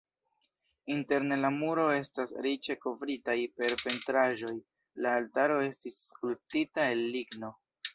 Interne la muroj estas riĉe kovritaj per pentraĵoj, la altaro estis skulptita el ligno.